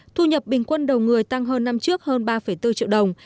thu nhập bình quân đầu người tăng hơn năm trước hơn ba bốn triệu đồng